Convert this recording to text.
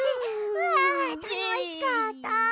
わたのしかった。